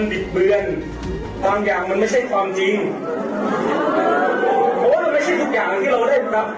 ก็คือเรื่องของการมีเสียงของครูเป็นคนพูดว่าตัวเนี่ยพกปืนมาโรงเรียนมัธยม